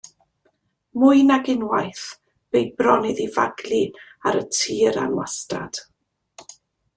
Mwy nag unwaith bu bron iddi faglu ar y tir anwastad.